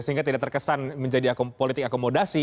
sehingga tidak terkesan menjadi politik akomodasi